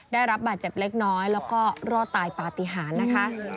ได้รับบาดเจ็บเล็กน้อยแล้วก็รอดตายปฏิหารนะคะ